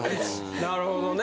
なるほどね。